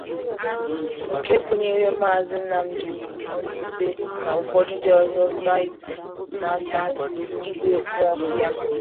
nke gụnyere Maazị Nnamdi Onukwube na ụfọdụ ndị ọzọ site n'aka Igwe Nwofia